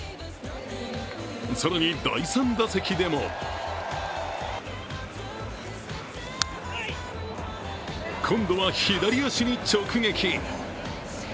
更に第３打席でも今度は左足に直撃。